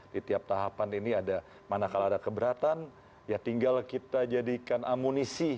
di tiap tahapan ini ada manakala ada keberatan ya tinggal kita jadikan amunisi